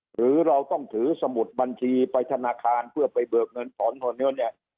หรือเราต้องถือสมุดบัญชีไปธนาคารเพื่อไปเบิกเงินถอนทอนเงินเนี่ย